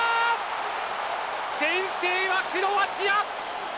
先制はクロアチア。